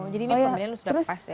jadi ini pembeliannya sudah pas ya